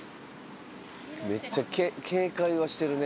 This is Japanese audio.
めっちゃ警戒はしてるね。